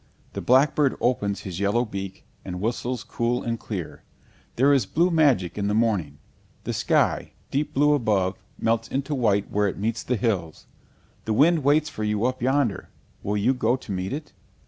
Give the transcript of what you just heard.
The blackbird opens his yellow beak, and whistles cool and clear. There is blue magic in the morning; the sky, deep blue above, melts into white where it meets the hills. The wind waits for you up yonder will you go to meet it?